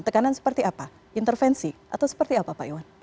tekanan seperti apa intervensi atau seperti apa pak iwan